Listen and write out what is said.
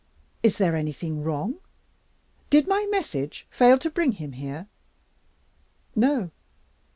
Is there anything wrong? Did my message fail to bring him here?" "No."